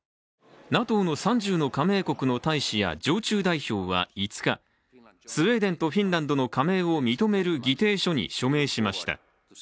ＮＡＴＯの３０の加盟国の大使や常駐代表は５日、スウェーデンとフィンランドの加盟を認める議定書に署名しました。